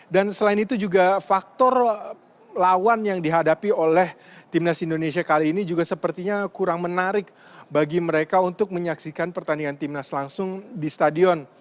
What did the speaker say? dan selain itu juga faktor lawan yang dihadapi oleh timnas indonesia kali ini juga sepertinya kurang menarik bagi mereka untuk menyaksikan pertandingan timnas langsung di stadion